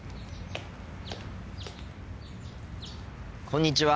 こんにちは。